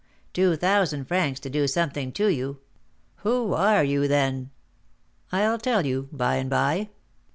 Two thousand francs to do something to you! Who are you, then?" "I'll tell you by and by."